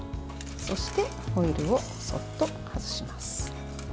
そして、ホイルをそっと外します。